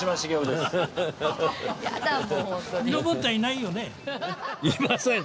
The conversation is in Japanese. いません